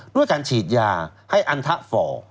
ด้วยการฉีดยาให้อันทะฝ่อ